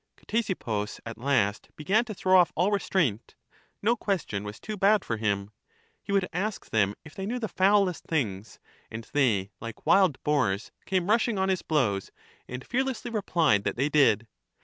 Ctesippus at last began to throw off all restraint ; no question was too bad for him ; he would ask them if they knew the foulest things, and they, like wild boars, came rushing on his blows, and f earlessl3" replied that they did.